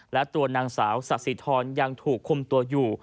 และตัวนางสาวศศิษย์ทอนยังถูกคุมตัวอยู่